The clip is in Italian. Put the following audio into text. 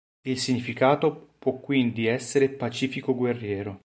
Il significato può quindi essere "pacifico guerriero".